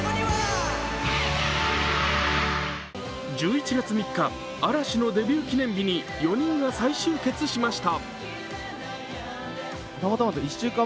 １１月３日、嵐のデビュー記念日に４人が再集結しました。